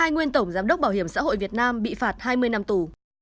hai nguyên tổng giám đốc bảo hiểm xã hội việt nam bị phạt hai mươi năm tù